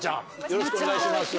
よろしくお願いします。